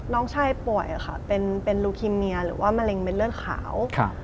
น้องชายป่วยค่ะเป็นลูคิเมียหรือว่ามะเร็งเป็นเลือดขาว